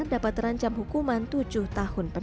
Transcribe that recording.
dapat terancam hukum pidana dan perbuatan itu